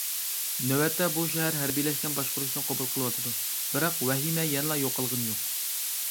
نۆۋەتتە، بۇ شەھەر ھەربىيلەشكەن باشقۇرۇشنى قوبۇل قىلىۋاتىدۇ، بىراق ۋەھىمە يەنىلا يوقالغىنى يوق.